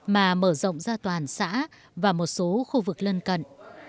mà mở rộng ra toàn xã và một số khu vực lân cận